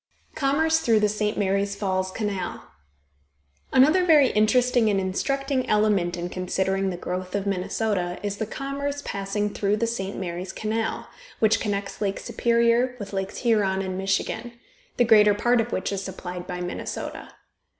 COMMERCE THROUGH THE ST. MARY'S FALLS CANAL. Another very interesting and instructing element in considering the growth of Minnesota is the commerce passing through the St. Mary's Canal, which connects Lake Superior with Lakes Huron and Michigan, the greater part of which is supplied by Minnesota.